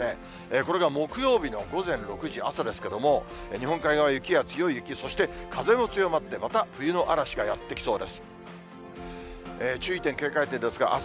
これが木曜日の午前６時、朝ですけども、日本海側、雪や強い雪、そして風も強まって、また冬の嵐がやって来そうです。